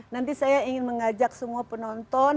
nanti saya ingin mengajak semua penonton